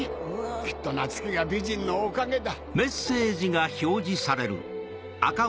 きっとナツキが美人のおかげだ。